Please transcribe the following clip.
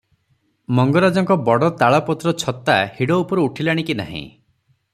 ମଙ୍ଗରାଜଙ୍କ ବଡ଼ ତାଳ ପତ୍ର ଛତା ହିଡ଼ ଉପରୁ ଉଠିଲାଣି କି ନାହିଁ ।